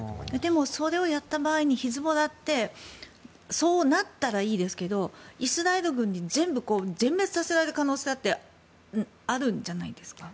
でも、それをやった場合ヒズボラってそうなったらいいですけどイスラエル軍に全滅させられる可能性だってあるんじゃないですか？